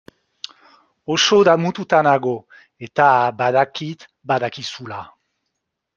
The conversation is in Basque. Oso damututa nago eta badakit badakizula.